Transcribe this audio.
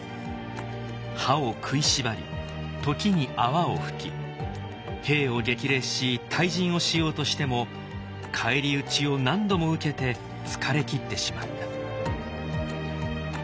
「歯を食いしばり時に泡を吹き兵を激励し退陣をしようとしても返り討ちを何度も受けて疲れきってしまった」。